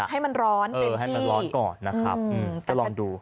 ให้มันร้อนเป็นที่เออให้มันร้อนก่อนนะครับจะลองดู